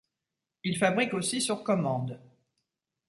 Il fabrique aussi sur commande.